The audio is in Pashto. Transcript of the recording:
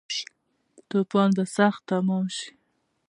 توپان به سخت تمام شی